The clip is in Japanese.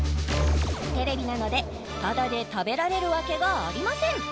テレビなのでタダで食べられるわけがありません